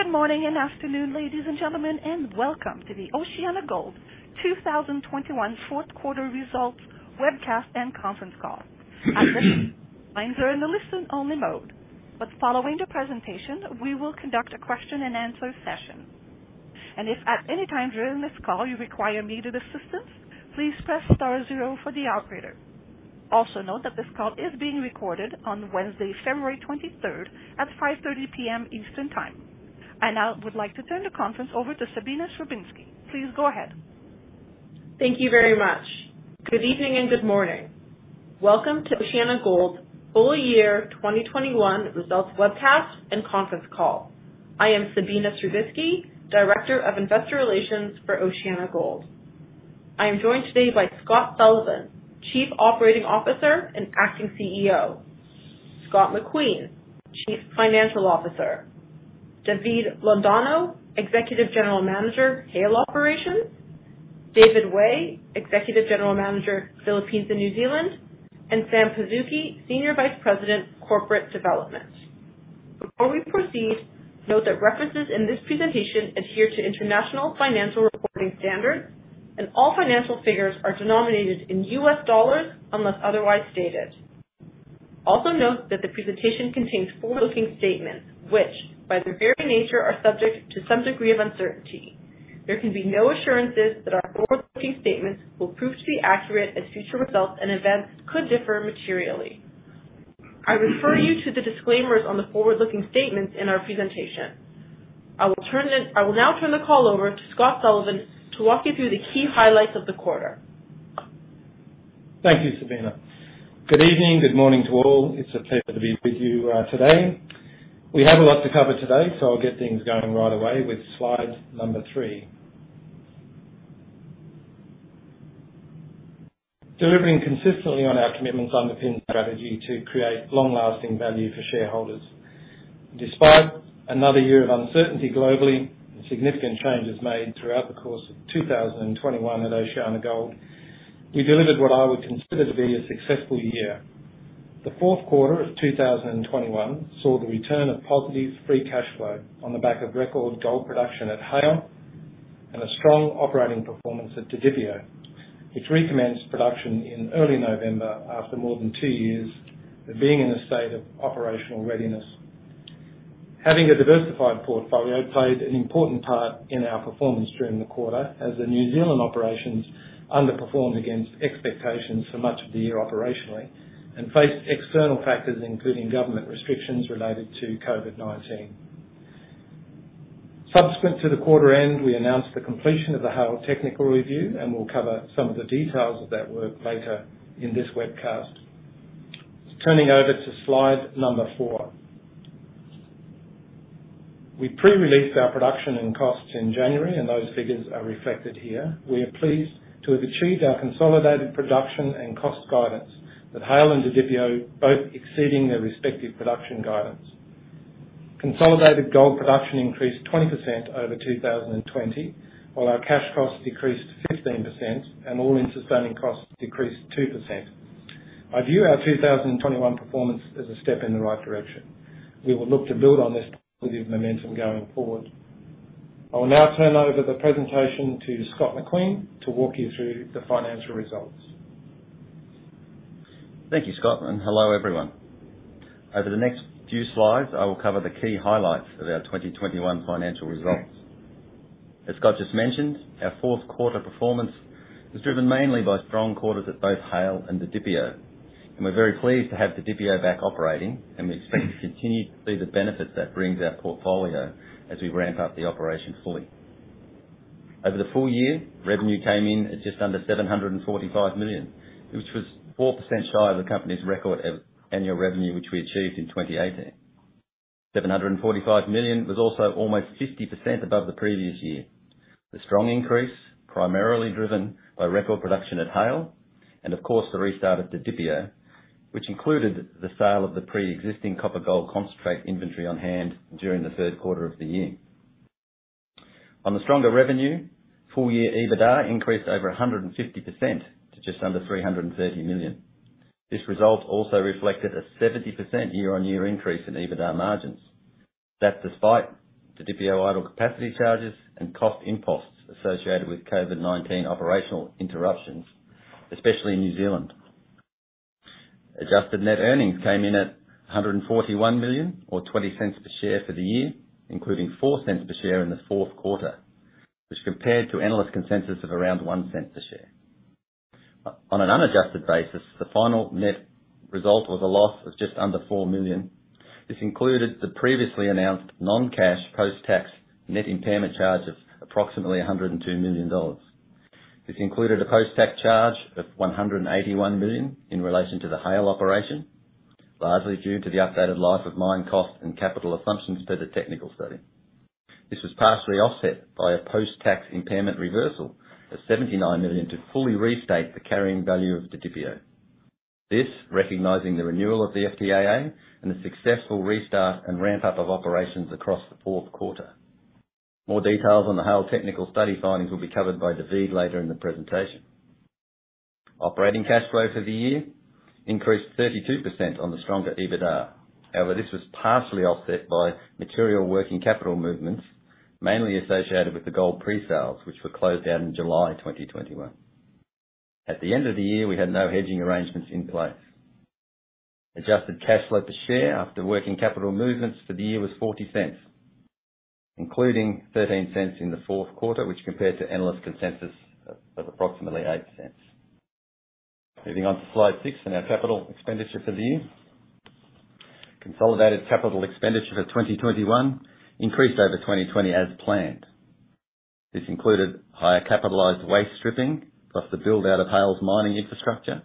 Good morning and afternoon, ladies and gentlemen, and welcome to the OceanaGold 2021 fourth quarter results webcast and conference call. At this time, lines are in a listen-only mode. Following the presentation, we will conduct a question and answer session. If at any time during this call you require immediate assistance, please press star zero for the operator. Also note that this call is being recorded on Wednesday, February 23 at 5:00 P.M. Eastern Time. I now would like to turn the conference over to Sabina Srubiski. Please go ahead. Thank you very much. Good evening and good morning. Welcome to OceanaGold full year 2021 results webcast and conference call. I am Sabina Srubiski, Director of Investor Relations for OceanaGold. I am joined today by Scott Sullivan, Chief Operating Officer and acting CEO. Scott McQueen, Chief Financial Officer. David Londoño, Executive General Manager, Haile Operations. David Way, Executive General Manager, Philippines and New Zealand. And Sam Pazuki, Senior Vice President, Corporate Development. Before we proceed, note that references in this presentation adhere to International Financial Reporting Standards, and all financial figures are denominated in US dollars unless otherwise stated. Also note that the presentation contains forward-looking statements, which, by their very nature, are subject to some degree of uncertainty. There can be no assurances that our forward-looking statements will prove to be accurate as future results and events could differ materially. I refer you to the disclaimers on the forward-looking statements in our presentation. I will now turn the call over to Scott Sullivan to walk you through the key highlights of the quarter. Thank you, Sabina. Good evening, good morning to all. It's a pleasure to be with you, today. We have a lot to cover today, so I'll get things going right away with slide number 3. Delivering consistently on our commitments underpins our strategy to create long-lasting value for shareholders. Despite another year of uncertainty globally and significant changes made throughout the course of 2021 at OceanaGold, we delivered what I would consider to be a successful year. The fourth quarter of 2021 saw the return of positive free cash flow on the back of record gold production at Haile and a strong operating performance at Didipio, which recommenced production in early November after more than two years of being in a state of operational readiness. Having a diversified portfolio played an important part in our performance during the quarter as the New Zealand operations underperformed against expectations for much of the year operationally and faced external factors, including government restrictions related to COVID-19. Subsequent to the quarter end, we announced the completion of the Haile technical review, and we'll cover some of the details of that work later in this webcast. Turning over to slide 4. We pre-released our production and costs in January, and those figures are reflected here. We are pleased to have achieved our consolidated production and cost guidance, with Haile and Didipio both exceeding their respective production guidance. Consolidated gold production increased 20% over 2020, while our cash costs decreased 15% and all-in sustaining costs decreased 2%. I view our 2021 performance as a step in the right direction. We will look to build on this positive momentum going forward. I will now turn over the presentation to Scott McQueen to walk you through the financial results. Thank you, Scott, and hello, everyone. Over the next few slides, I will cover the key highlights of our 2021 financial results. As Scott just mentioned, our fourth quarter performance was driven mainly by strong quarters at both Haile and Didipio. We're very pleased to have Didipio back operating, and we expect to continue to see the benefits that brings our portfolio as we ramp up the operation fully. Over the full year, revenue came in at just under $745 million, which was 4% shy of the company's record of annual revenue, which we achieved in 2018. $745 million was also almost 50% above the previous year. The strong increase primarily driven by record production at Haile and of course, the restart of Didipio, which included the sale of the pre-existing copper gold concentrate inventory on hand during the third quarter of the year. On the stronger revenue, full-year EBITDA increased over 150% to just under $330 million. This result also reflected a 70% year-on-year increase in EBITDA margins. That's despite Didipio idle capacity charges and cost imposts associated with COVID-19 operational interruptions, especially in New Zealand. Adjusted net earnings came in at $141 million or $0.20 per share for the year, including $0.04 per share in the fourth quarter, which compared to analyst consensus of around $0.01 per share. On an unadjusted basis, the final net result was a loss of just under $4 million. This included the previously announced non-cash post-tax net impairment charge of approximately $102 million. This included a post-tax charge of $181 million in relation to the Haile operation, largely due to the updated life of mine cost and capital assumptions per the technical study. This was partially offset by a post-tax impairment reversal of $79 million to fully restate the carrying value of Didipio, recognizing the renewal of the FTAA and the successful restart and ramp-up of operations across the fourth quarter. More details on the Haile technical study findings will be covered by David later in the presentation. Operating cash flow for the year increased 32% on the stronger EBITDA. However, this was partially offset by material working capital movements, mainly associated with the gold pre-sales, which were closed down in July 2021. At the end of the year, we had no hedging arrangements in place. Adjusted cash flow per share after working capital movements for the year was $0.40, including $0.13 in the fourth quarter, which compared to analyst consensus of approximately $0.08. Moving on to slide six and our capital expenditure for the year. Consolidated capital expenditure for 2021 increased over 2020 as planned. This included higher capitalized waste stripping, plus the build-out of Haile's mining infrastructure,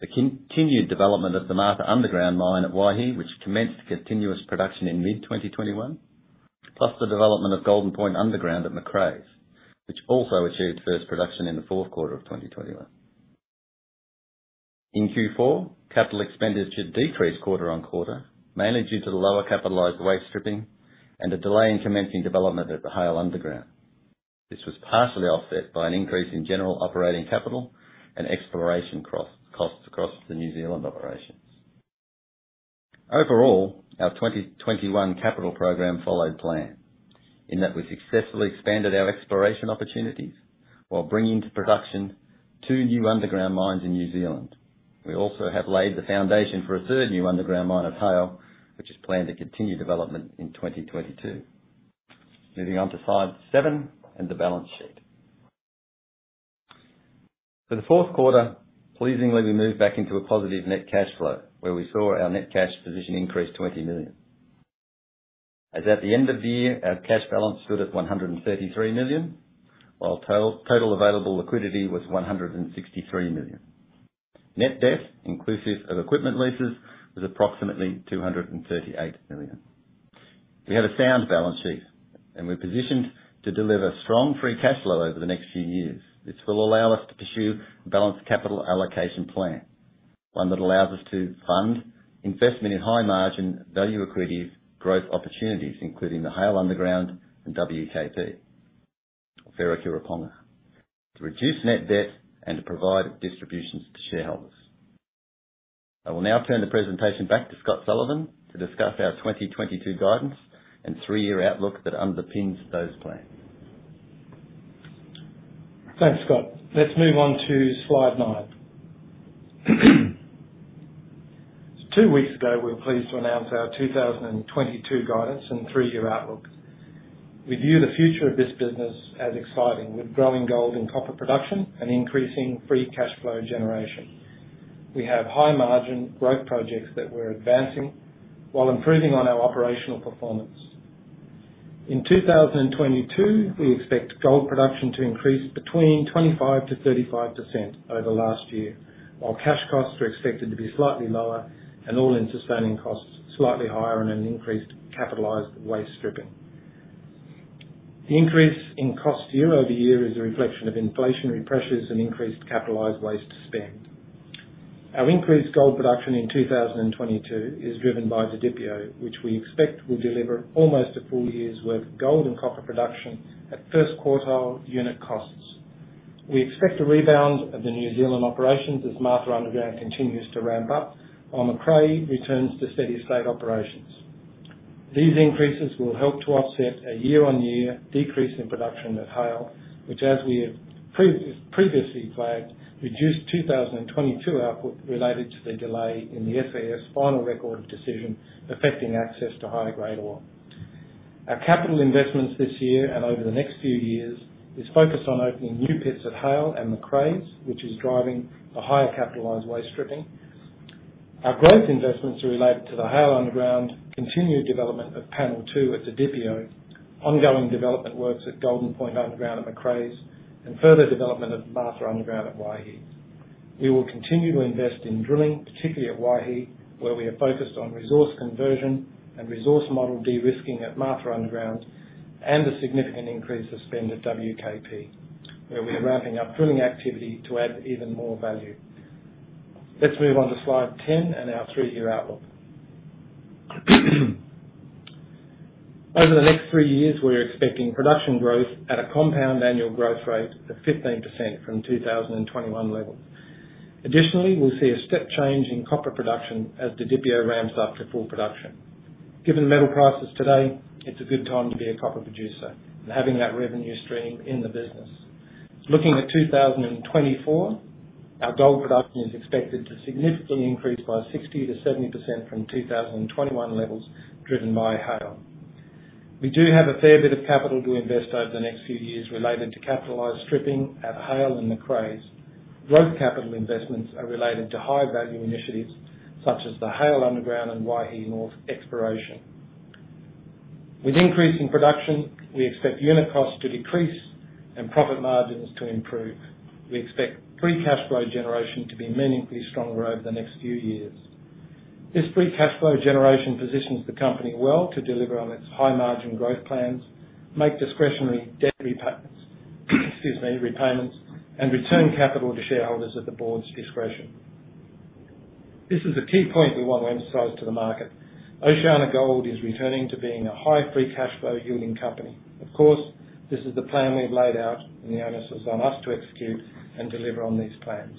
the continued development of the Martha underground mine at Waihi, which commenced continuous production in mid-2021, plus the development of Golden Point underground at Macraes, which also achieved first production in the fourth quarter of 2021. In Q4, capital expenditure decreased quarter-over-quarter, mainly due to the lower capitalized waste stripping and a delay in commencing development at the Haile Underground. This was partially offset by an increase in general operating capital and exploration cost, costs across the New Zealand operations. Overall, our 2021 capital program followed plan in that we successfully expanded our exploration opportunities while bringing to production two new underground mines in New Zealand. We also have laid the foundation for a third new underground mine at Haile, which is planned to continue development in 2022. Moving on to slide 7 and the balance sheet. For the fourth quarter, pleasingly, we moved back into a positive net cash flow, where we saw our net cash position increase $20 million. As at the end of the year, our cash balance stood at $133 million, while total available liquidity was $163 million. Net debt, inclusive of equipment leases, was approximately $238 million. We have a sound balance sheet, and we're positioned to deliver strong free cash flow over the next few years. This will allow us to pursue a balanced capital allocation plan, one that allows us to fund investment in high margin, value-accretive growth opportunities, including the Haile Underground and WKP, Wharekirauponga, to reduce net debt and to provide distributions to shareholders. I will now turn the presentation back to Scott Sullivan to discuss our 2022 guidance and three-year outlook that underpins those plans. Thanks, Scott. Let's move on to slide nine. Two weeks ago, we were pleased to announce our 2022 guidance and three-year outlook. We view the future of this business as exciting, with growing gold and copper production and increasing free cash flow generation. We have high margin growth projects that we're advancing while improving on our operational performance. In 2022, we expect gold production to increase between 25%-35% over last year, while cash costs are expected to be slightly lower and all-in sustaining costs slightly higher on an increased capitalized waste stripping. The increase in costs year-over-year is a reflection of inflationary pressures and increased capitalized waste spend. Our increased gold production in 2022 is driven by Didipio, which we expect will deliver almost a full year's worth of gold and copper production at first quartile unit costs. We expect a rebound of the New Zealand operations as Martha Underground continues to ramp up while Macraes returns to steady state operations. These increases will help to offset a year-on-year decrease in production at Haile, which, as we have previously flagged, reduced 2022 output related to the delay in the SEIS final record decision affecting access to higher grade ore. Our capital investments this year and over the next few years is focused on opening new pits at Haile and Macraes, which is driving the higher capitalized waste stripping. Our growth investments are related to the Haile Underground, continued development of panel 2 at Didipio, ongoing development works at Golden Point Underground at Macraes, and further development of Martha Underground at Waihi. We will continue to invest in drilling, particularly at Waihi, where we are focused on resource conversion and resource model de-risking at Martha Underground and a significant increase of spend at WKP, where we are ramping up drilling activity to add even more value. Let's move on to slide 10 and our three-year outlook. Over the next three years, we're expecting production growth at a compound annual growth rate of 15% from 2021 levels. Additionally, we'll see a step change in copper production as Didipio ramps up to full production. Given metal prices today, it's a good time to be a copper producer and having that revenue stream in the business. Looking at 2024, our gold production is expected to significantly increase by 60%-70% from 2021 levels, driven by Haile. We do have a fair bit of capital to invest over the next few years related to capitalized stripping at Haile and Macraes. Growth capital investments are related to high-value initiatives such as the Haile Underground and Waihi North exploration. With increasing production, we expect unit costs to decrease and profit margins to improve. We expect free cash flow generation to be meaningfully stronger over the next few years. This free cash flow generation positions the company well to deliver on its high margin growth plans, make discretionary debt repayments, and return capital to shareholders at the board's discretion. This is a key point we want to emphasize to the market. OceanaGold is returning to being a high free cash flow yielding company. Of course, this is the plan we've laid out, and the onus is on us to execute and deliver on these plans.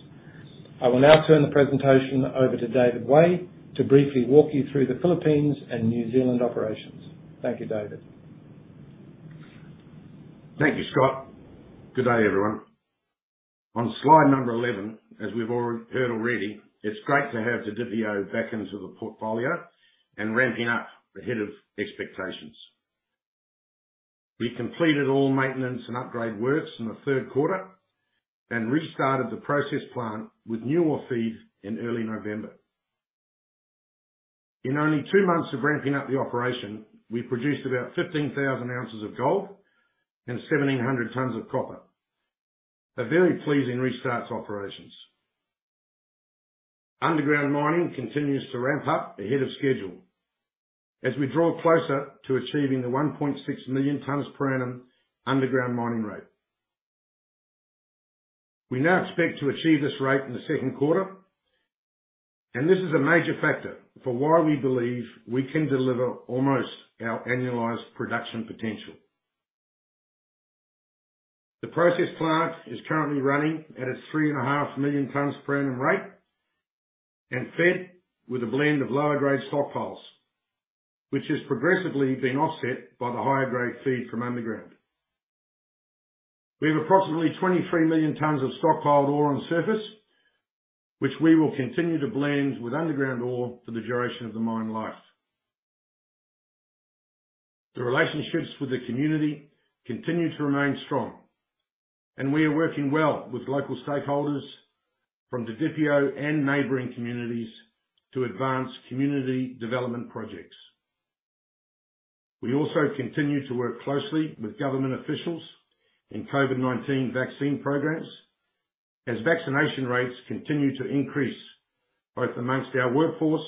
I will now turn the presentation over to David Way to briefly walk you through the Philippines and New Zealand operations. Thank you, David. Thank you, Scott. Good day, everyone. On slide 11, as we've already heard, it's great to have Didipio back into the portfolio and ramping up ahead of expectations. We completed all maintenance and upgrade works in the third quarter and restarted the process plant with new ore feeds in early November. In only two months of ramping up the operation, we produced about 15,000 ounces of gold and 1,700 tons of copper. A very pleasing restart to operations. Underground mining continues to ramp up ahead of schedule as we draw closer to achieving the 1.6 million tons per annum underground mining rate. We now expect to achieve this rate in the second quarter, and this is a major factor for why we believe we can deliver almost our annualized production potential. The process plant is currently running at its 3.5 million tons per annum rate and fed with a blend of lower grade stockpiles, which is progressively being offset by the higher grade feed from underground. We have approximately 23 million tons of stockpiled ore on surface, which we will continue to blend with underground ore for the duration of the mine life. The relationships with the community continue to remain strong, and we are working well with local stakeholders from Didipio and neighboring communities to advance community development projects. We also continue to work closely with government officials in COVID-19 vaccine programs as vaccination rates continue to increase, both amongst our workforce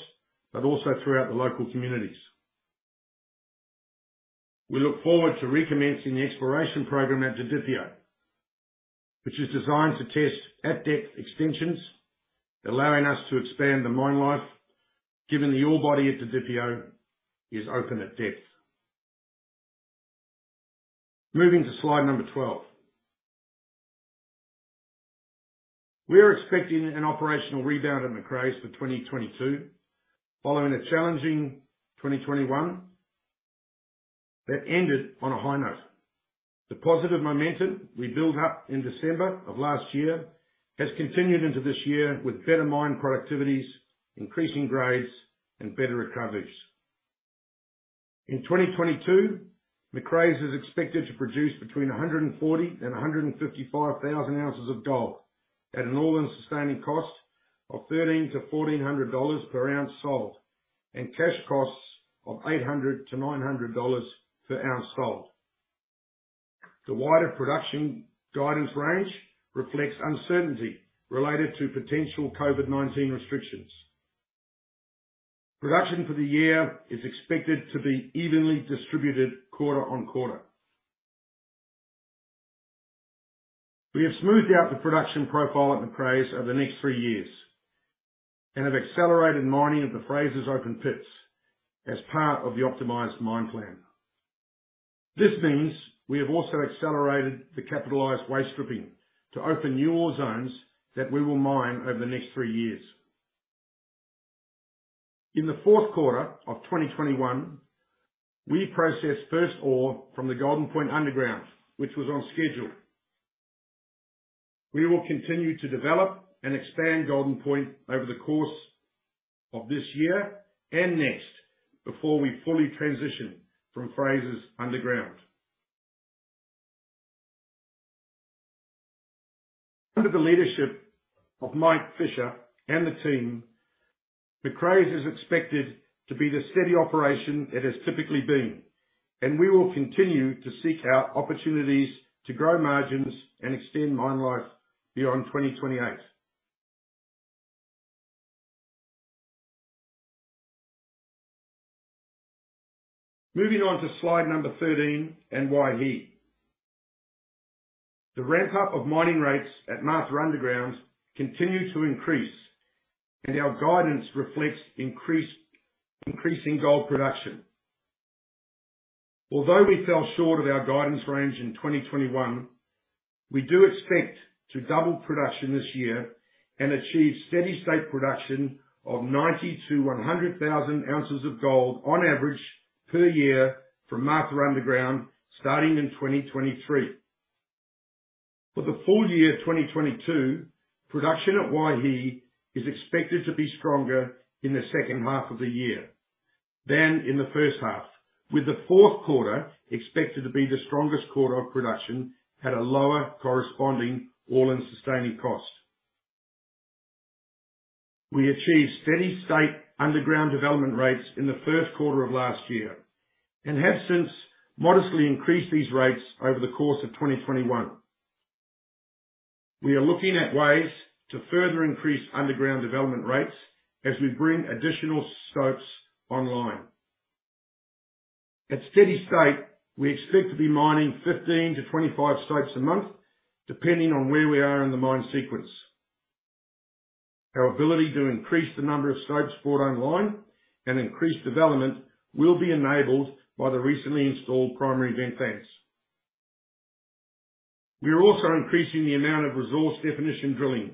but also throughout the local communities. We look forward to recommencing the exploration program at Didipio, which is designed to test at-depth extensions, allowing us to expand the mine life, given the ore body at Didipio is open at depth. Moving to slide 12. We are expecting an operational rebound at Macraes for 2022 following a challenging 2021 that ended on a high note. The positive momentum we built up in December of last year has continued into this year with better mine productivities, increasing grades, and better recoveries. In 2022, Macraes is expected to produce between 140,000 and 155,000 ounces of gold at an all-in sustaining cost of $1,300-$1,400 per ounce sold, and cash costs of $800-$900 per ounce sold. The wider production guidance range reflects uncertainty related to potential COVID-19 restrictions. Production for the year is expected to be evenly distributed quarter on quarter. We have smoothed out the production profile at Macraes over the next three years and have accelerated mining of the Frasers open pits as part of the optimized mine plan. This means we have also accelerated the capitalized waste stripping to open new ore zones that we will mine over the next three years. In the fourth quarter of 2021, we processed first ore from the Golden Point underground, which was on schedule. We will continue to develop and expand Golden Point over the course of this year and next before we fully transition from Frasers underground. Under the leadership of Mike Fisher and the team, Macraes is expected to be the steady operation it has typically been, and we will continue to seek out opportunities to grow margins and extend mine life beyond 2028. Moving on to slide 13 and Waihi. The ramp up of mining rates at Martha Underground continue to increase, and our guidance reflects increasing gold production. Although we fell short of our guidance range in 2021, we do expect to double production this year and achieve steady state production of 90,000-100,000 ounces of gold on average per year from Martha Underground starting in 2023. For the full year 2022, production at Waihi is expected to be stronger in the second half of the year than in the first half, with the fourth quarter expected to be the strongest quarter of production at a lower corresponding all-in sustaining cost. We achieved steady state underground development rates in the first quarter of last year and have since modestly increased these rates over the course of 2021. We are looking at ways to further increase underground development rates as we bring additional stopes online. At steady state, we expect to be mining 15-25 stopes a month, depending on where we are in the mine sequence. Our ability to increase the number of stopes brought online and increase development will be enabled by the recently installed primary vent fans. We are also increasing the amount of resource definition drilling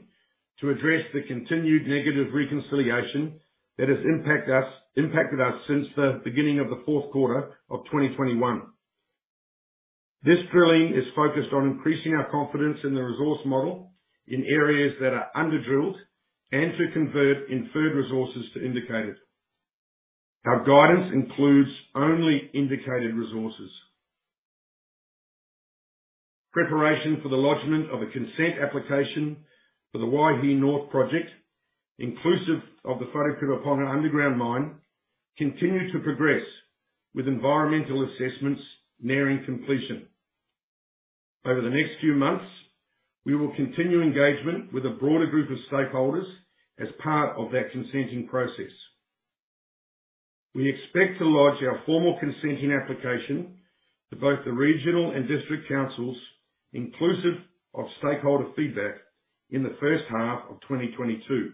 to address the continued negative reconciliation that has impacted us since the beginning of the fourth quarter of 2021. This drilling is focused on increasing our confidence in the resource model in areas that are under-drilled and to convert inferred resources to indicated. Our guidance includes only indicated resources. Preparation for the lodgment of a consent application for the Waihi North project, inclusive of the Wharekirauponga underground mine, continue to progress with environmental assessments nearing completion. Over the next few months, we will continue engagement with a broader group of stakeholders as part of that consenting process. We expect to lodge our formal consenting application to both the regional and district councils, inclusive of stakeholder feedback, in the first half of 2022.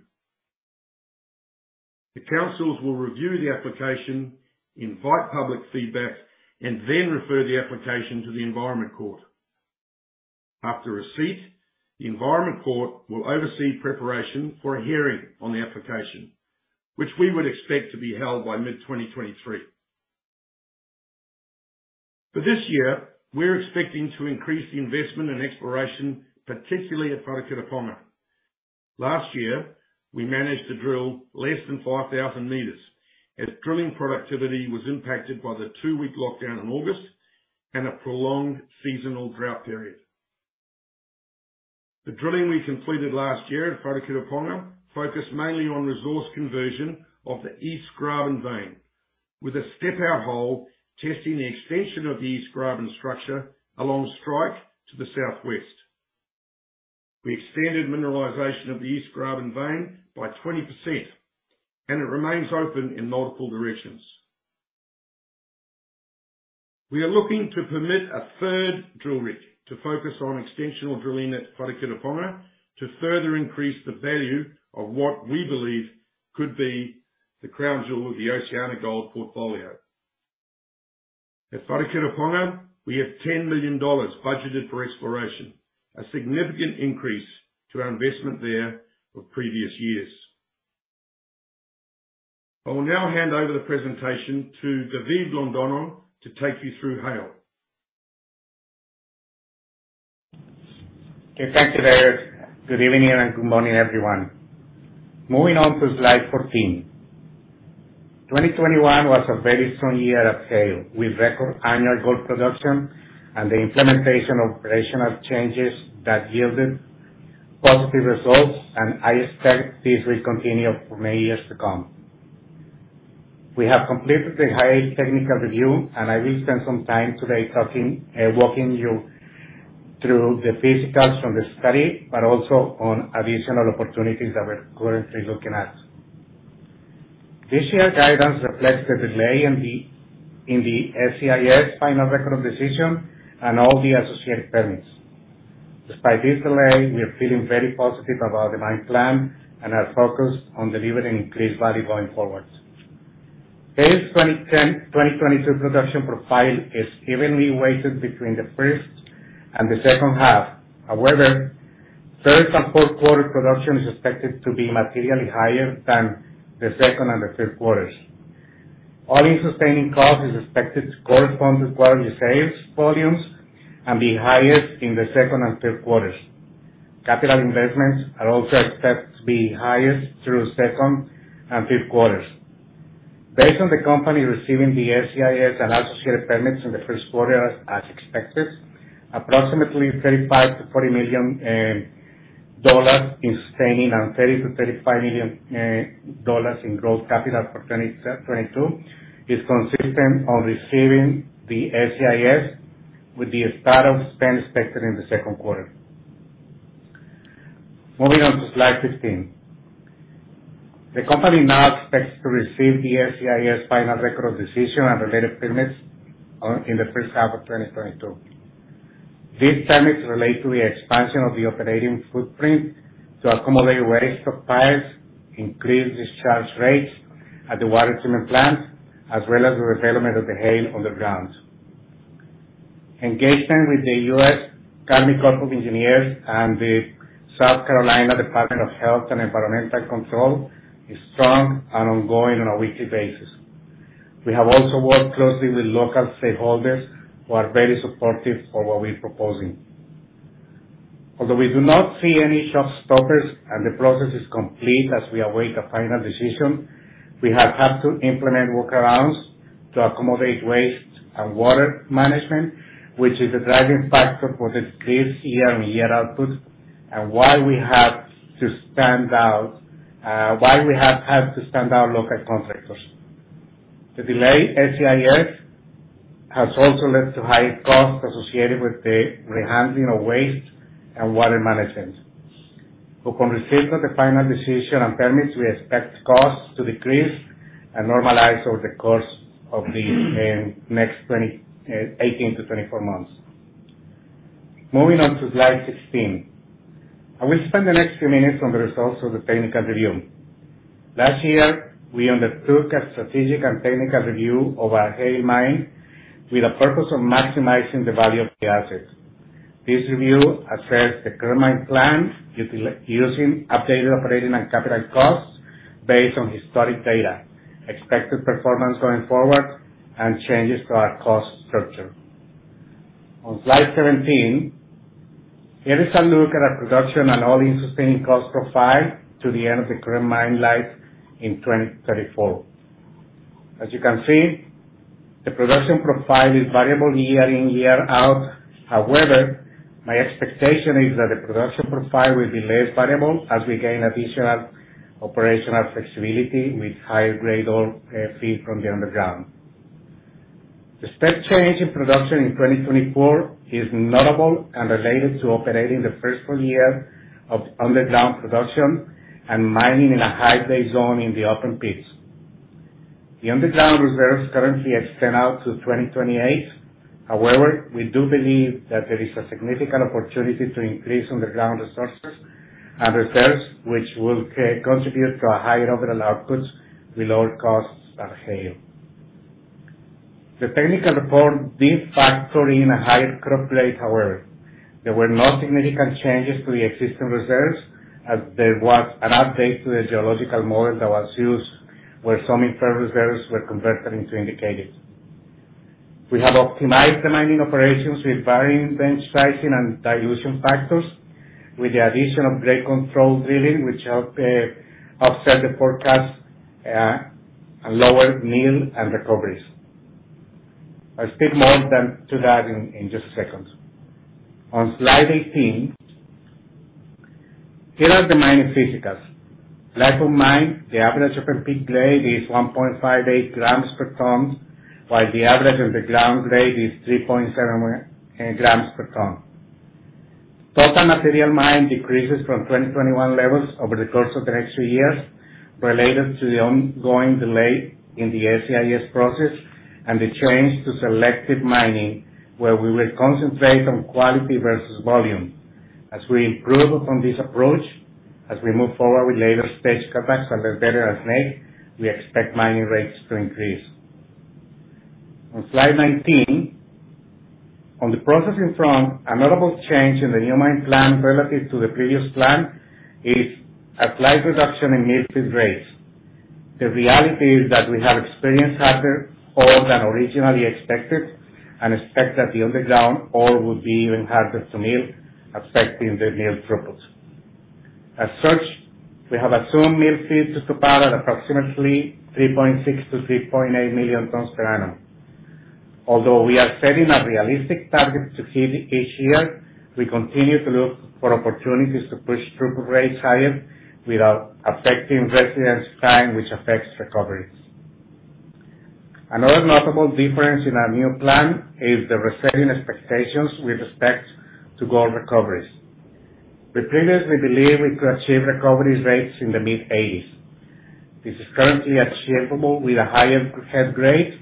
The councils will review the application, invite public feedback, and then refer the application to the Environment Court. After receipt, the Environment Court will oversee preparation for a hearing on the application, which we would expect to be held by mid-2023. For this year, we're expecting to increase the investment in exploration, particularly at Wharekirauponga. Last year, we managed to drill less than 5,000 meters as drilling productivity was impacted by the two-week lockdown in August and a prolonged seasonal drought period. The drilling we completed last year at Wharekirauponga focused mainly on resource conversion of the East Graben vein, with a step-out hole testing the extension of the East Graben structure along strike to the southwest. We extended mineralization of the East Graben vein by 20%, and it remains open in multiple directions. We are looking to permit a third drill rig to focus on extensional drilling at Wharekirauponga to further increase the value of what we believe could be the crown jewel of the OceanaGold portfolio. At Wharekirauponga, we have $10 million budgeted for exploration, a significant increase to our investment there of previous years. I will now hand over the presentation to David Londoño to take you through Haile. Thank you, David. Good evening and good morning, everyone. Moving on to slide 14. 2021 was a very strong year at Haile with record annual gold production and the implementation of operational changes that yielded positive results, and I expect this will continue for many years to come. We have completed the Haile technical review, and I will spend some time today walking you through the financials from the study, but also on additional opportunities that we're currently looking at. This year's guidance reflects the delay in the SEIS final record of decision and all the associated permits. Despite this delay, we are feeling very positive about the mine plan and are focused on delivering increased value going forward. Haile's 2022 production profile is evenly weighted between the first and the second half. However, third and fourth quarter production is expected to be materially higher than the second and the third quarters. All-in sustaining costs are expected to correspond with quarterly sales volumes and be highest in the second and third quarters. Capital investments are also expected to be highest through second and third quarters. Based on the company receiving the SEIS and associated permits in the first quarter as expected, approximately $35 million-$40 million in sustaining and $30 million-$35 million in gross capital for 2022 is consistent on receiving the SEIS with the start of spend expected in the second quarter. Moving on to slide 15. The company now expects to receive the SEIS final record of decision and related permits in the first half of 2022. These permits relate to the expansion of the operating footprint to accommodate waste stockpiles, increased discharge rates at the water treatment plant, as well as the development of the Haile Underground. Engagement with the U.S. Army Corps of Engineers and the South Carolina Department of Health and Environmental Control is strong and ongoing on a weekly basis. We have also worked closely with local stakeholders who are very supportive of what we're proposing. Although we do not see any showstoppers and the process is complete as we await the final decision, we have had to implement workarounds to accommodate waste and water management, which is a driving factor for the decreased year-on-year output and why we have had to stand down local contractors. The delay SEIS has also led to high costs associated with the rehandling of waste and water management. Upon receiving the final decision and permits, we expect costs to decrease and normalize over the course of the next 18-24 months. Moving on to slide 16. I will spend the next few minutes on the results of the technical review. Last year, we undertook a strategic and technical review of our Haile mine with the purpose of maximizing the value of the assets. This review assessed the current mine plan using updated operating and capital costs based on historic data, expected performance going forward, and changes to our cost structure. On slide 17, here is a look at our production and all-in sustaining cost profile to the end of the current mine life in 2034. As you can see, the production profile is variable year in, year out. However, my expectation is that the production profile will be less variable as we gain additional operational flexibility with higher-grade ore feed from the underground. The step change in production in 2024 is notable and related to operating the first full year of underground production and mining in a high-grade zone in the open pits. The underground reserves currently extend out to 2028. However, we do believe that there is a significant opportunity to increase underground resources and reserves, which will contribute to a higher overall outputs with lower costs at Haile. The technical report did factor in a higher cut plate, however. There were no significant changes to the existing reserves, as there was an update to the geological model that was used where some inferred reserves were converted into indicated. We have optimized the mining operations with varying bench sizing and dilution factors with the addition of grade control drilling, which help offset the forecast lower mill and recoveries. I'll speak more on that in just a second. On slide 18, here are the mining physicals. Life of mine, the average open pit grade is 1.58 grams per ton, while the average underground grade is 3.7 grams per ton. Total material mined decreases from 2021 levels over the course of the next two years related to the ongoing delay in the SEIS process and the change to selective mining, where we will concentrate on quality versus volume. As we improve on this approach, as we move forward with later stage cutbacks that are better grade, we expect mining rates to increase. On slide 19, on the processing front, a notable change in the new mine plan relative to the previous plan is a slight reduction in mill feed rates. The reality is that we have experienced harder ore than originally expected and expect that the underground ore will be even harder to mill, affecting the mill throughput. As such, we have assumed mill feeds to Supai at approximately 3.6-3.8 million tons per annum. Although we are setting a realistic target to hit each year, we continue to look for opportunities to push throughput rates higher without affecting residence time, which affects recoveries. Another notable difference in our new plan is the resetting expectations with respect to gold recoveries. We previously believed we could achieve recovery rates in the mid-80s%. This is currently achievable with a higher head grade,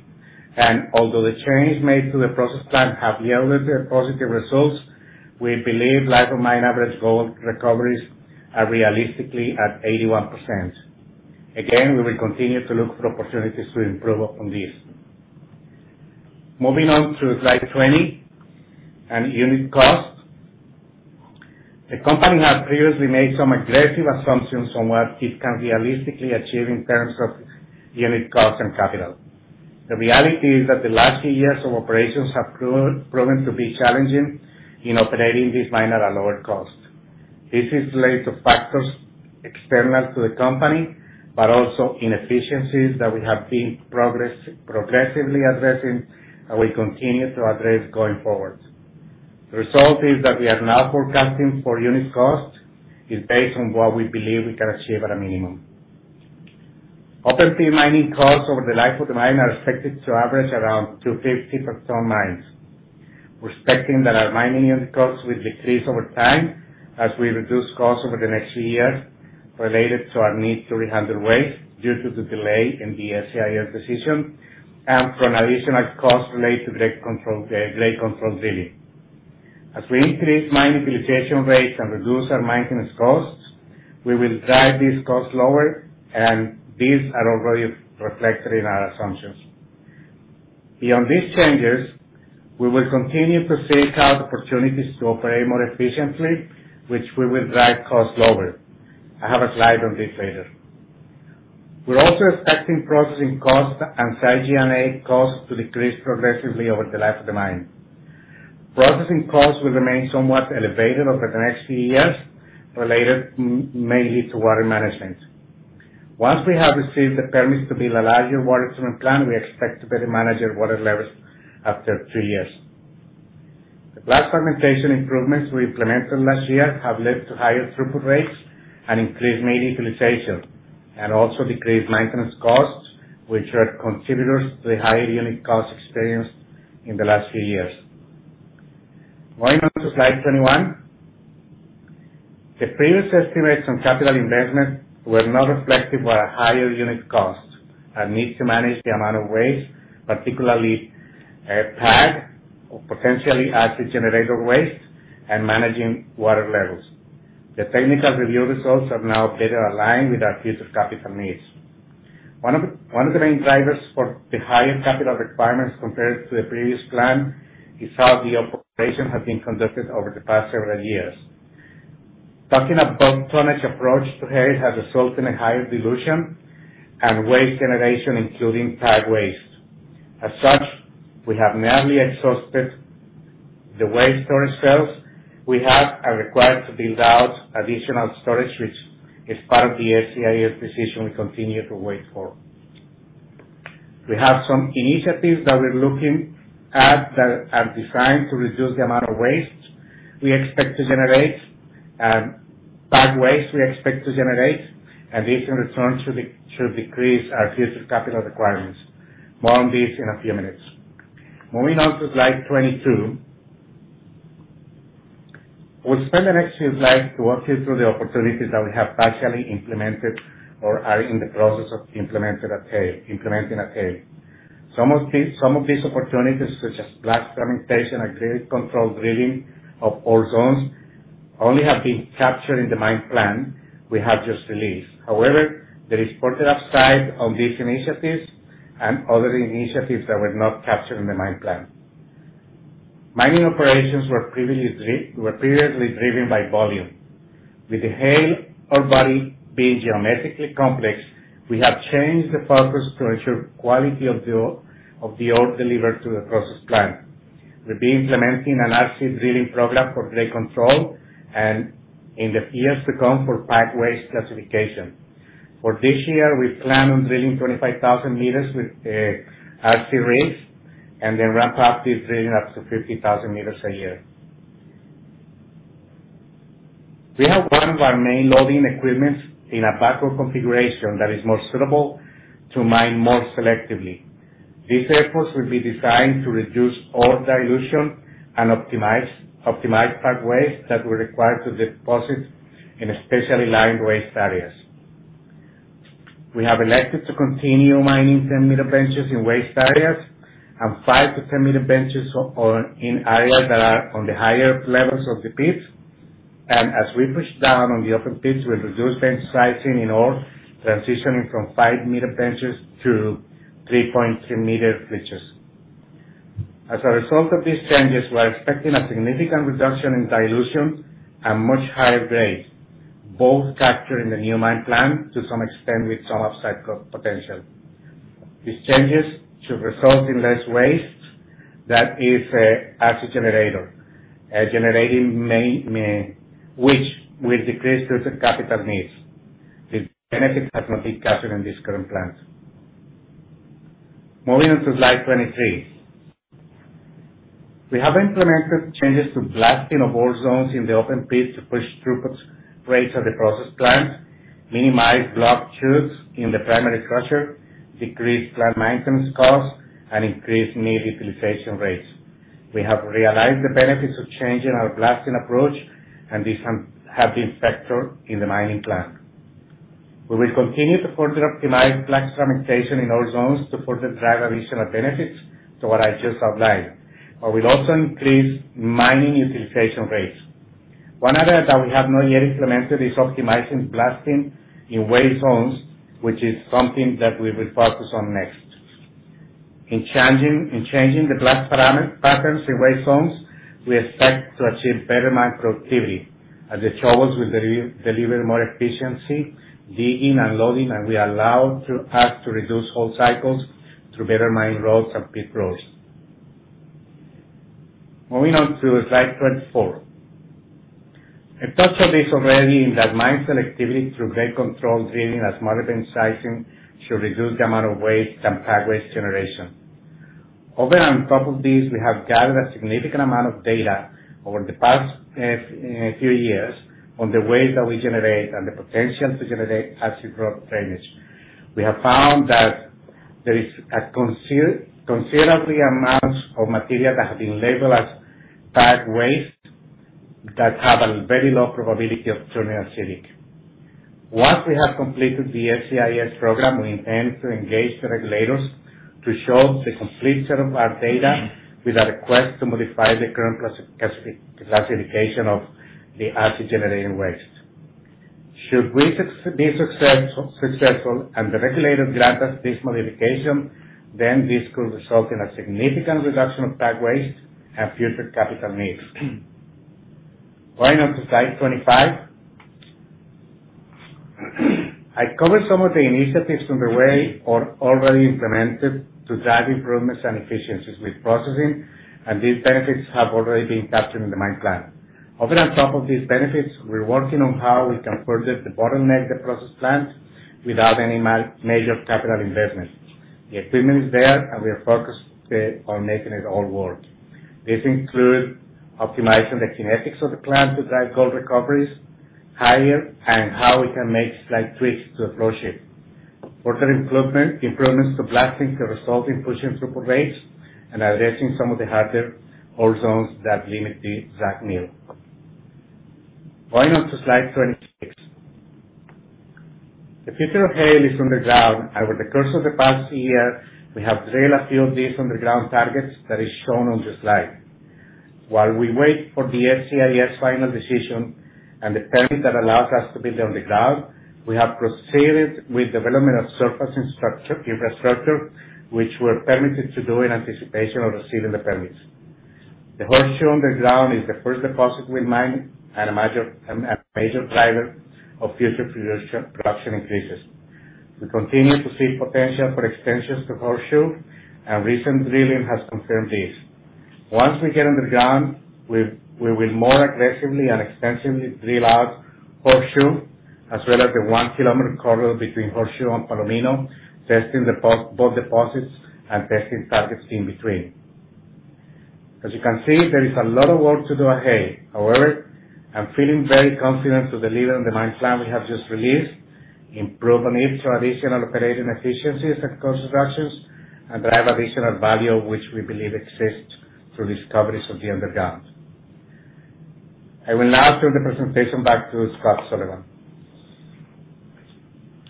and although the changes made to the process plan have yielded positive results, we believe life of mine average gold recoveries are realistically at 81%. Again, we will continue to look for opportunities to improve on this. Moving on to slide 20 and unit costs. The company has previously made some aggressive assumptions on what it can realistically achieve in terms of unit cost and capital. The reality is that the last few years of operations have proven to be challenging in operating this mine at a lower cost. This is related to factors external to the company, but also inefficiencies that we have been progressively addressing and will continue to address going forward. The result is that our forecast for unit costs is based on what we believe we can achieve at a minimum. Open pit mining costs over the life of the mine are expected to average around $250 per ton mined. We're expecting that our mining unit costs will decrease over time as we reduce costs over the next few years related to our need to rehandle waste due to the delay in the SEIS decision and from additional costs related to grade control, grade control drilling. As we increase mine utilization rates and reduce our maintenance costs, we will drive these costs lower, and these are already reflected in our assumptions. Beyond these changes, we will continue to seek out opportunities to operate more efficiently, which we will drive costs lower. I have a slide on this later. We're also expecting processing costs and site G&A costs to decrease progressively over the life of the mine. Processing costs will remain somewhat elevated over the next few years, related mainly to water management. Once we have received the permits to build a larger water treatment plant, we expect to better manage our water levels after three years. The plant augmentation improvements we implemented last year have led to higher throughput rates and increased mill utilization, and also decreased maintenance costs, which are contributors to the higher unit cost experienced in the last few years. Moving on to slide 21. The previous estimates on capital investment were not reflective of our higher unit costs and need to manage the amount of waste, particularly, PAG, or potentially acid generator waste and managing water levels. The technical review results are now better aligned with our future capital needs. One of the main drivers for the higher capital requirements compared to the previous plan is how the operation has been conducted over the past several years. Talking about tonnage approach to Haile has resulted in a higher dilution and waste generation, including PAG waste. As such, we have nearly exhausted the waste storage cells we have and are required to build out additional storage, which is part of the SEIS decision we continue to wait for. We have some initiatives that we're looking at that are designed to reduce the amount of waste we expect to generate and PAG waste we expect to generate. This, in return, should decrease our future capital requirements. More on this in a few minutes. Moving on to slide 22. We'll spend the next few slides to walk you through the opportunities that we have partially implemented or are in the process of implementing at Haile. Some of these opportunities, such as blast fragmentation and grade control drilling of ore zones, only have been captured in the mine plan we have just released. However, there is further upside on these initiatives and other initiatives that were not captured in the mine plan. Mining operations were previously driven by volume. With the Haile ore body being geometrically complex, we have changed the focus to ensure quality of the ore delivered to the process plant. We've been implementing an RC drilling program for grade control and in the years to come, for PAG waste classification. For this year, we plan on drilling 25,000 meters with RC rigs and then ramp up this drilling up to 50,000 meters a year. We have one of our main loading equipments in a backward configuration that is more suitable to mine more selectively. These efforts will be designed to reduce ore dilution and optimize PAG waste that we're required to deposit in a specially lined waste areas. We have elected to continue mining 10-meter benches in waste areas and 5-meter-10-meter benches on in areas that are on the higher levels of the pit. As we push down on the open pits, we'll reduce bench sizing in ore, transitioning from 5-meter benches to 3.3-meter benches. As a result of these changes, we're expecting a significant reduction in dilution and much higher grades, both captured in the new mine plan to some extent with some upside co-potential. These changes should result in less waste that is acid generating material, which will decrease future capital needs. These benefits have not been captured in the current plan. Moving on to slide 23. We have implemented changes to blasting of ore zones in the open pit to push throughput rates of the process plant, minimize block sizes in the primary crusher, decrease plant maintenance costs, and increase mill utilization rates. We have realized the benefits of changing our blasting approach, and these have been factored in the mining plan. We will continue to further optimize blast fragmentation in ore zones to further drive additional benefits to what I just outlined. We'll also increase mining utilization rates. One other that we have not yet implemented is optimizing blasting in waste zones, which is something that we will focus on next. In changing the blast patterns in waste zones, we expect to achieve better mine productivity as the shovels will deliver more efficiently digging and loading, and we are allowed to reduce whole cycles through better mine roads and pit roads. Moving on to slide 24. I touched on this already in that mine selectivity through grade control drilling and smaller bench sizing should reduce the amount of waste and PAG waste generation. Over and on top of this, we have gathered a significant amount of data over the past few years on the waste that we generate and the potential to generate acid rock drainage. We have found that there is a considerable amounts of material that have been labeled as PAG waste that have a very low probability of turning acidic. Once we have completed the SEIS program, we intend to engage the regulators to show the complete set of our data with a request to modify the current classification of the acid-generating waste. Should we be successful and the regulator grant us this modification, then this could result in a significant reduction of PAG waste and future capital needs. Moving on to slide 25. I covered some of the initiatives underway or already implemented to drive improvements and efficiencies with processing, and these benefits have already been captured in the mine plan. Over and on top of these benefits, we're working on how we can further debottleneck the process plant without any major capital investment. The equipment is there, and we are focused on making it all work. This include optimizing the kinetics of the plant to drive gold recoveries higher and how we can make slight tweaks to the flow sheet. Further improvements to blasting that result in pushing throughput rates and addressing some of the harder ore zones that limit the SAG mill. Refer to slide 26. The future of Haile is underground. Over the course of the past year, we have drilled a few of these underground targets that is shown on the slide. While we wait for the SEIS final decision and the permit that allows us to build underground, we have proceeded with development of surface structures, infrastructure, which we're permitted to do in anticipation of receiving the permits. The Horseshoe underground is the first deposit we mined and a major driver of future production increases. We continue to see potential for extensions to Horseshoe, and recent drilling has confirmed this. Once we get underground, we will more aggressively and extensively drill out Horseshoe as well as the 1-kilometer corridor between Horseshoe and Palomino, testing both deposits and testing targets in between. As you can see, there is a lot of work to do ahead. However, I'm feeling very confident to deliver on the mine plan we have just released, improve on it through additional operating efficiencies and cost reductions, and drive additional value which we believe exists through discoveries of the underground. I will now turn the presentation back to Scott Sullivan.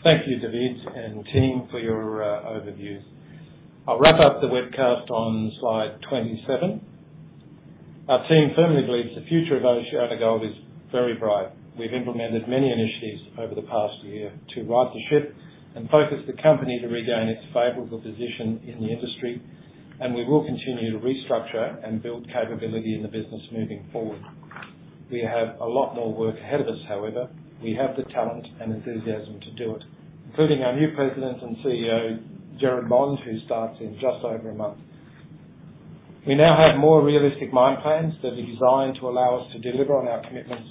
Thank you, David and team, for your overview. I'll wrap up the webcast on slide 27. Our team firmly believes the future of OceanaGold is very bright. We've implemented many initiatives over the past year to right the ship and focus the company to regain its favorable position in the industry, and we will continue to restructure and build capability in the business moving forward. We have a lot more work ahead of us, however, we have the talent and enthusiasm to do it, including our new President and CEO, Gerard Bond, who starts in just over a month. We now have more realistic mine plans that are designed to allow us to deliver on our commitments.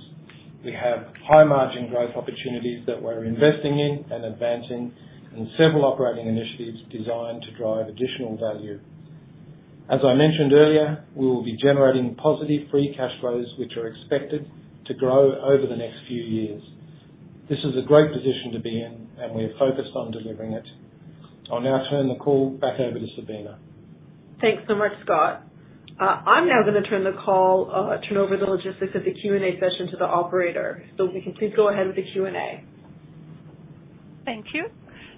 We have high-margin growth opportunities that we're investing in and advancing and several operating initiatives designed to drive additional value. As I mentioned earlier, we will be generating positive free cash flows, which are expected to grow over the next few years. This is a great position to be in, and we are focused on delivering it. I'll now turn the call back over to Sabina. Thanks so much, Scott. I'm now gonna turn over the logistics of the Q&A session to the operator. If we can please go ahead with the Q&A. Thank you.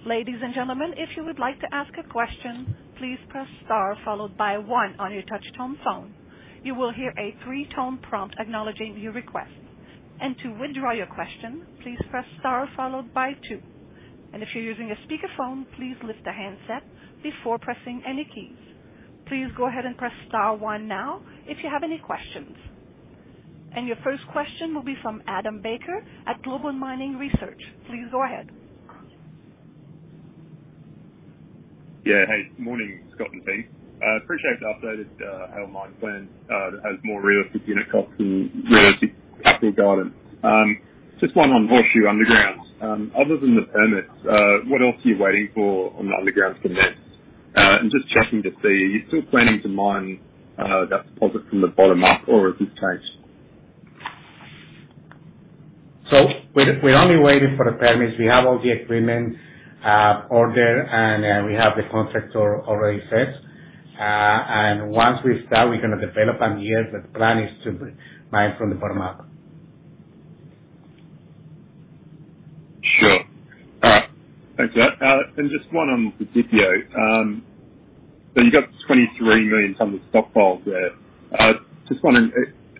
Ladies and gentlemen, if you would like to ask a question, please press star followed by 1 on your touch tone phone. You will hear a three-tone prompt acknowledging your request. To withdraw your question, please press star followed by 2. If you're using a speakerphone, please lift the handset before pressing any keys. Please go ahead and press star 1 now if you have any questions. Your first question will be from Adam Baker at Global Mining Research. Please go ahead. Yeah. Hey, morning, Scott and team. Appreciate the updated Haile mine plan that has more realistic unit costs and realistic capital guidance. Just one on Horseshoe Underground. Other than the permits, what else are you waiting for on the underground commencement? Just checking to see, are you still planning to mine that deposit from the bottom up or has this changed? We're only waiting for the permits. We have all the agreements ordered, and we have the contractor already set. Once we start, we're gonna develop on here. The plan is to mine from the bottom up. Sure. All right. Thanks for that. Just one on the TPO. You've got 23 million tons of stockpiles there. Just wondering,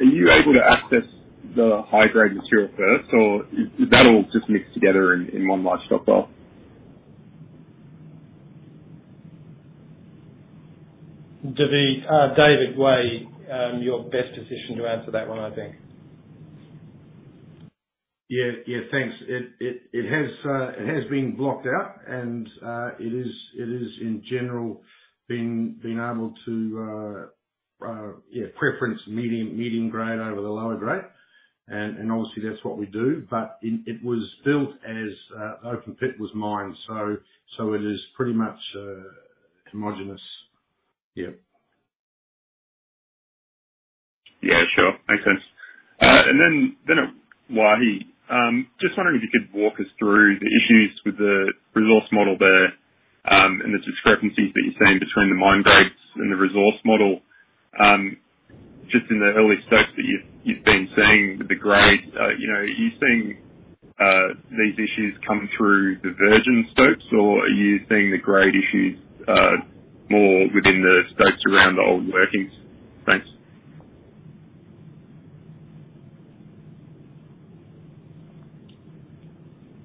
are you able to access the high-grade material first, or is that all just mixed together in one large stockpile? David Way, you're best positioned to answer that one, I think. Yeah. Thanks. It has been blocked out, and it is in general been able to prefer medium grade over the lower grade. Obviously that's what we do. It was built as open pit was mined. It is pretty much homogeneous. Yeah. Yeah, sure. Makes sense. On Waihi. Just wondering if you could walk us through the issues with the resource model there, and the discrepancies that you're seeing between the mine grades and the resource model. Just in the early stopes that you've been seeing with the grade, you know, are you seeing these issues come through the virgin stopes, or are you seeing the grade issues more within the stopes around the old workings? Thanks.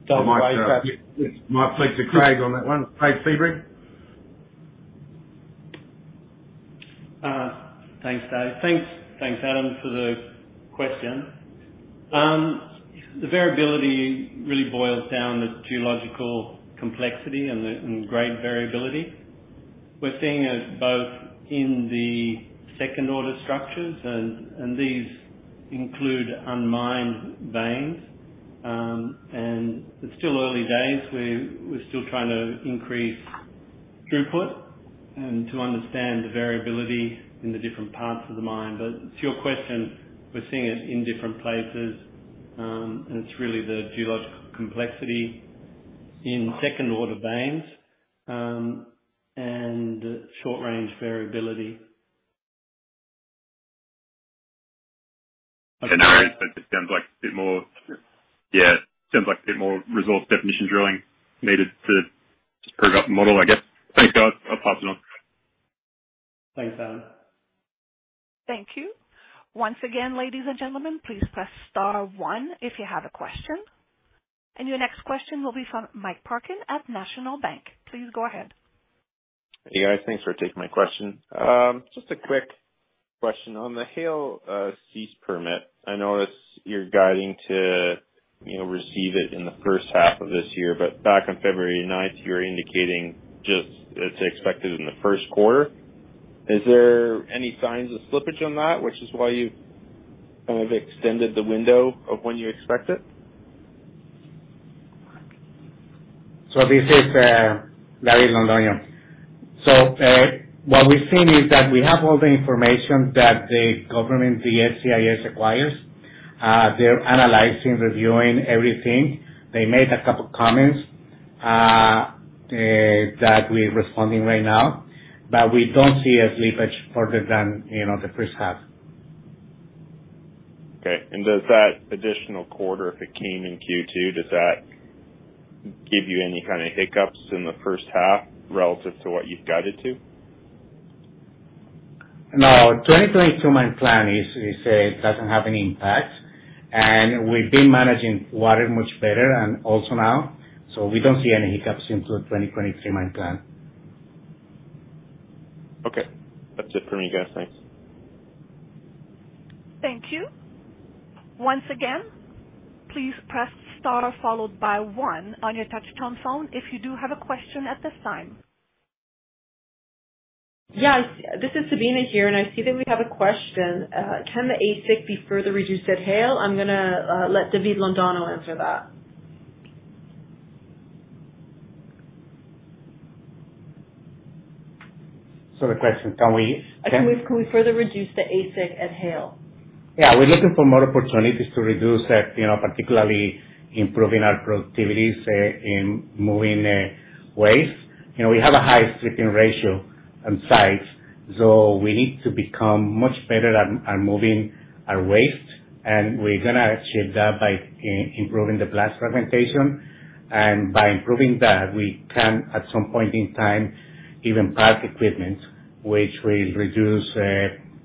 Dave, Waihi back to you. Might flip to Craig on that one. Craig Feebrey. Thanks, David. Thanks, Adam, for the question. The variability really boils down to geological complexity and grade variability. We're seeing it both in the second order structures and these include unmined veins. It's still early days. We're still trying to increase throughput and to understand the variability in the different parts of the mine. To your question, we're seeing it in different places, and it's really the geological complexity in second order veins and short-range variability. Okay. It sounds like a bit more resource definition drilling needed to prove up the model, I guess. Thanks, guys. I'll pass it on. Thanks, Adam Baker. Thank you. Once again, ladies and gentlemen, please press star 1 if you have a question. Your next question will be from Mike Parkin at National Bank. Please go ahead. Hey, guys. Thanks for taking my question. Just a quick question. On the Haile SEIS permit, I noticed you're guiding to, you know, receive it in the first half of this year, but back on February ninth, you were indicating just it's expected in the first quarter. Is there any signs of slippage on that, which is why you've kind of extended the window of when you expect it? This is David Londoño. What we've seen is that we have all the information that the government, the SEIS requires. They're analyzing, reviewing everything. They made a couple comments that we're responding right now. We don't see a slippage further than, you know, the first half. Okay. Does that additional quarter, if it came in Q2, does that give you any kind of hiccups in the first half relative to what you've guided to? No. 2022 mine plan doesn't have any impact. We've been managing water much better and also now, so we don't see any hiccups into the 2023 mine plan. Okay. That's it for me, guys. Thanks. Thank you. Once again, please press star followed by 1 on your touchtone phone if you do have a question at this time. Yeah. This is Sabina here, and I see that we have a question. Can the AISC be further reduced at Haile? I'm gonna let David Londoño answer that. Sorry, question, can we? Can we further reduce the AISC at Haile? Yeah. We're looking for more opportunities to reduce that, you know, particularly improving our productivity, say, in moving waste. You know, we have a high stripping ratio on site, so we need to become much better at moving our waste. We're gonna achieve that by improving the blast fragmentation. By improving that, we can, at some point in time, even park equipment, which will reduce,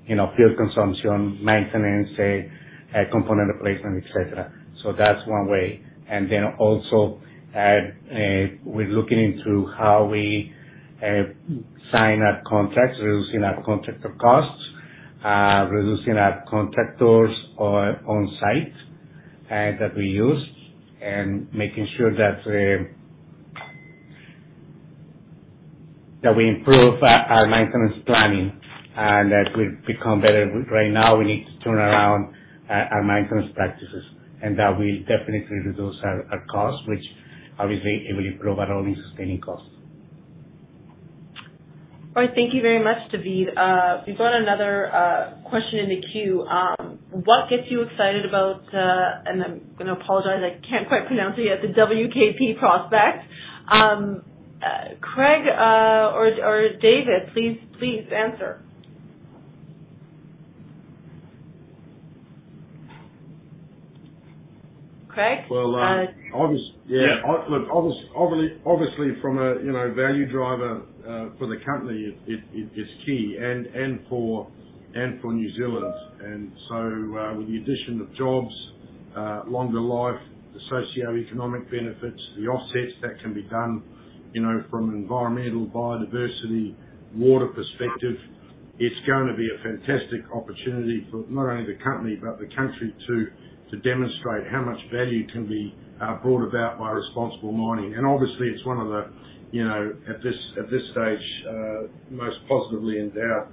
you know, fuel consumption, maintenance, say, component replacement, et cetera. That's one way. Then also, we're looking into how we sign up contracts, reducing our contractor costs, reducing our contractors on site that we use, and making sure that we improve our maintenance planning and that we become better. Right now, we need to turn around our maintenance practices. That will definitely reduce our costs, which obviously it will improve our all-in sustaining costs. All right. Thank you very much, David. We've got another question in the queue. What gets you excited about, and I'm gonna apologize, I can't quite pronounce it yet, the WKP prospect? Craig or David, please answer. Craig? Well. Yeah. Yeah. Obviously from a, you know, value driver for the company, it is key and for New Zealand. With the addition of jobs, longer life, the socioeconomic benefits, the offsets that can be done, you know, from an environmental, biodiversity, water perspective, it's gonna be a fantastic opportunity for not only the company but the country to demonstrate how much value can be brought about by responsible mining. Obviously it's one of the, you know, at this stage most positively endowed,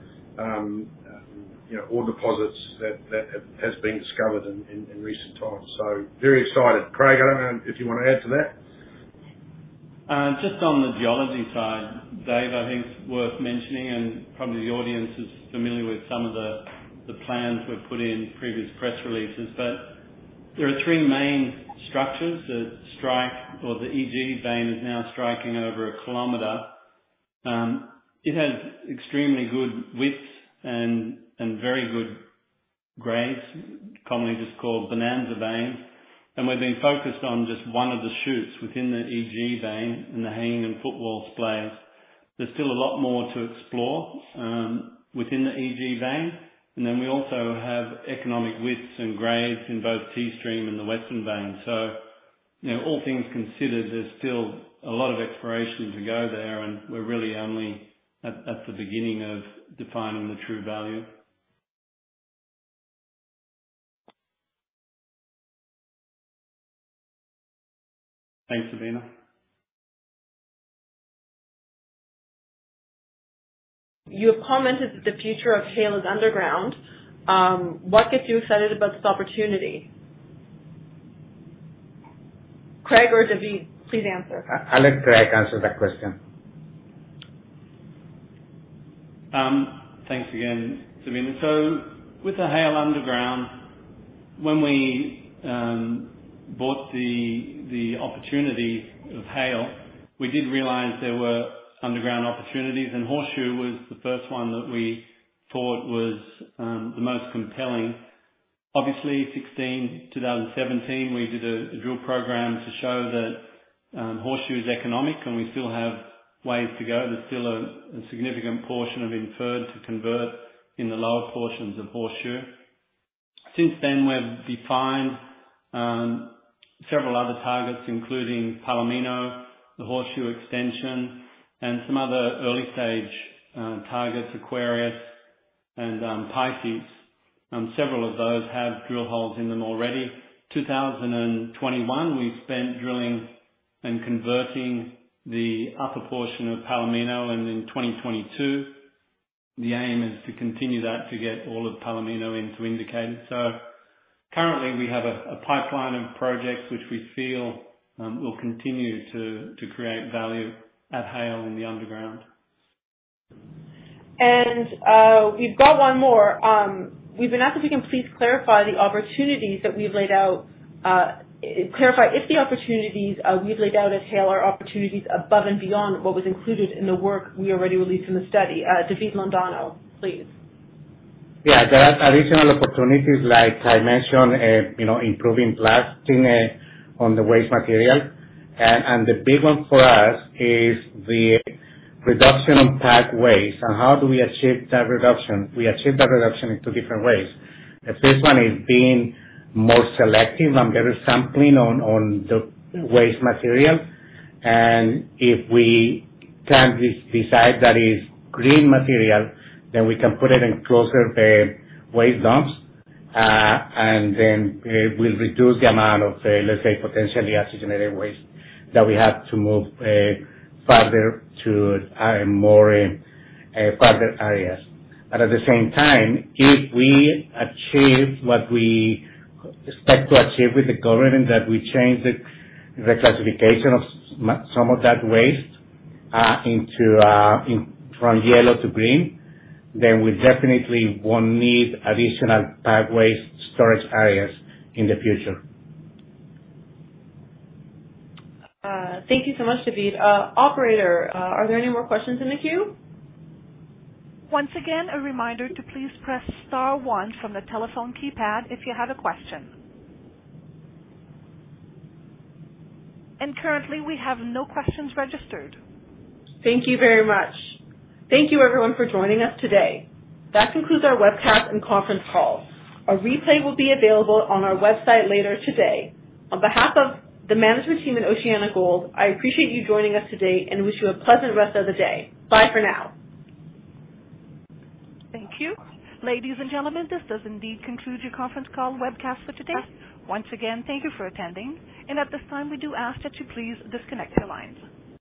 you know, ore deposits that has been discovered in recent times. Very excited. Craig, I don't know if you want to add to that. Just on the geology side, Dave, I think it's worth mentioning, and probably the audience is familiar with some of the plans we've put in previous press releases, but there are three main structures. The strike or the EG vein is now striking over a kilometer. It has extremely good widths and very good grades, commonly just called bonanza vein. We've been focused on just one of the shoots within the EG vein in the hanging and footwall splays. There's still a lot more to explore within the EG vein. Then we also have economic widths and grades in both T-Stream and the Western vein. You know, all things considered, there's still a lot of exploration to go there, and we're really only at the beginning of defining the true value. Thanks, Sabina. You have commented that the future of Haile is underground. What gets you excited about this opportunity? Craig or David, please answer. I'll let Craig answer that question. Thanks again, Sabina. With the Haile Underground, when we bought the opportunity of Haile, we did realize there were underground opportunities, and Horseshoe was the first one that we thought was the most compelling. Obviously 2016, 2017, we did a drill program to show that Horseshoe is economic and we still have ways to go. There's still a significant portion of inferred to convert in the lower portions of Horseshoe. Since then, we've defined several other targets, including Palomino, the Horseshoe Extension, and some other early-stage targets, Aquarius and Pisces, and several of those have drill holes in them already. In 2021, we've spent drilling and converting the upper portion of Palomino, and in 2022, the aim is to continue that to get all of Palomino into indicated. Currently we have a pipeline of projects which we feel will continue to create value at Haile in the underground. We've got one more. We've been asked if you can please clarify if the opportunities we've laid out at Haile are opportunities above and beyond what was included in the work we already released in the study. David Londoño, please. Yeah. There are additional opportunities like I mentioned, you know, improving blasting on the waste material. The big one for us is the reduction of PAF waste and how we achieve that reduction. We achieve that reduction in two different ways. The first one is being more selective and better sampling on the waste material. If we can decide that is green material, then we can put it in closer waste dumps. We'll reduce the amount of, let's say, potentially oxygenated waste that we have to move further to more further areas. At the same time, if we achieve what we expect to achieve with the government, that we change the classification of some of that waste from yellow to green, then we definitely won't need additional PAF waste waste storage areas in the future. Thank you so much, David. Operator, are there any more questions in the queue? Once again, a reminder to please press star 1 from the telephone keypad if you have a question. Currently, we have no questions registered. Thank you very much. Thank you everyone for joining us today. That concludes our webcast and conference call. A replay will be available on our website later today. On behalf of the management team and OceanaGold, I appreciate you joining us today and wish you a pleasant rest of the day. Bye for now. Thank you. Ladies and gentlemen, this does indeed conclude your conference call webcast for today. Once again, thank you for attending, and at this time, we do ask that you please disconnect your lines.